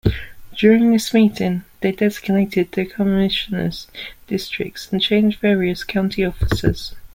During this meeting, they designated the commissioners districts and changed various county officers.